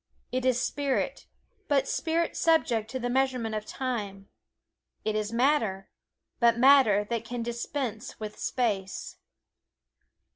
It is spirit, but spirit subject to the measurement of time; it is matter, but matter that can dispense with space.